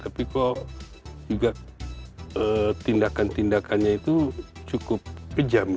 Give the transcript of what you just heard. tapi kok juga tindakan tindakannya itu cukup kejam